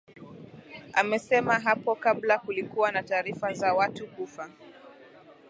amesema hapo kabla kulikuwa na taarifa za watu kufa